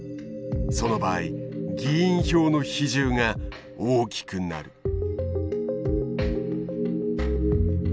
その場合議員票の比重が大きくなる。